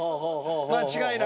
間違いなく。